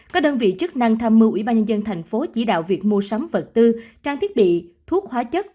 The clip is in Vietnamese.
các đơn vị chức năng tham mưu ủy ban nhân dân thành phố chỉ đạo việc mua sắm vật tư trang thiết bị thuốc hóa chất